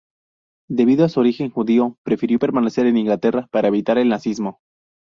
Debido a su origen judío, prefirió permanecer en Inglaterra para evitar el nazismo.